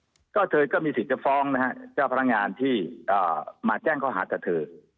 บศวุฒิกษ์ก็เธอก็มีสิทธิฟองนะครับเจ้าพลังงานที่มาแจ้งเขาหาว่าเธอ